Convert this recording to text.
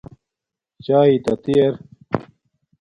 چایے تاتی ار